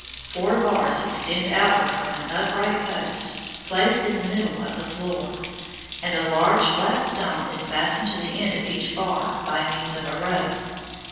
Four bars extend outward from an upright post placed in the middle of the floor, and a large flat stone is fastened to the end of each bar by means of a rope.